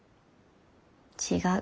違う。